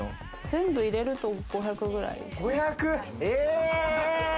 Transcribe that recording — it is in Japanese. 全部入れると５００くらい。